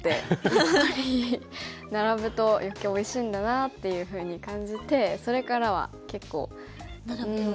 やっぱり並ぶと余計おいしいんだなっていうふうに感じてそれからは結構うん。